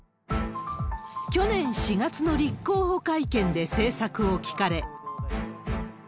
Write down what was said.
去年４月の立候補会見で政策を聞かれ。